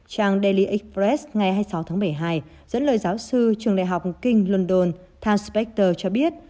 trang daily express ngày hai mươi sáu tháng bảy mươi hai dẫn lời giáo sư trưởng đại học king s london tim spector cho biết